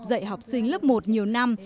dạy học sinh lớp một nhiều năm